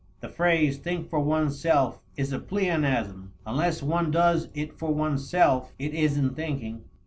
The phrase "think for one's self" is a pleonasm. Unless one does it for one's self, it isn't thinking.